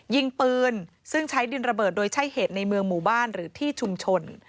ยิงปืนซึ่งใช้ดินระเบิดโดยใช้เหตุในเมืองหมู่บ้านหรือที่ชุมชน